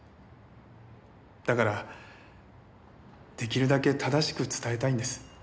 だから出来るだけ正しく伝えたいんです。